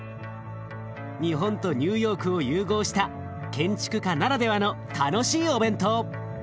日本とニューヨークを融合した建築家ならではの楽しいお弁当。